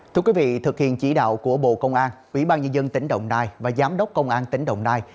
thưa quý vị thực hiện chỉ đạo của bộ công an ủy ban nhân dân tỉnh đồng nai và giám đốc công an tỉnh đồng nai